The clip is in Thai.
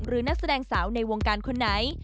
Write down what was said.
นักแสดงสาวในวงการคนไหน